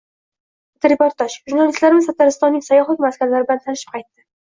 Fotoreportaj: Jurnalistlarimiz Tataristonning sayyohlik maskanlari bilan tanishib qaytdi